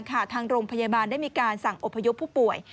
ทางโรงพยาบาลได้มีการสั่งอพยพผู้ป่วย